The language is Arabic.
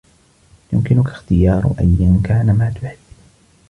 يمكنك اختيار أيا كان ما تحب.